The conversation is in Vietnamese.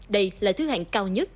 đây là thứ hạng cao nhất